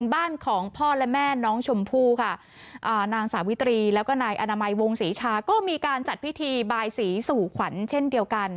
บ้านของพ่อและแม่น้องชมพู่ค่ะอ่านางสาวิตรีแล้วก็นายอนามัยวงศรีชาก็มีการจัดพิธีบายสีสู่ขวัญเช่นเดียวกัน